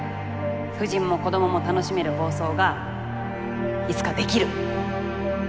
婦人も子供も楽しめる放送がいつかできる。